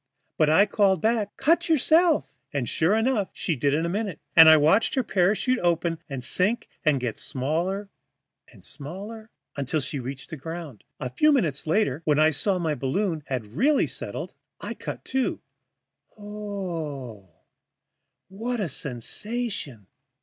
But I called back: 'Cut yourself,' and, sure enough, she did in a minute, and I watched her parachute open out and sink and get smaller and smaller, until she reached the ground. A few minutes later, when I saw my balloon had really settled, I cut, too. H o o o, what a sensation!